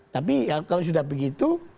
tapi kalau sudah begitu